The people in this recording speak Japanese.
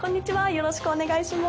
よろしくお願いします。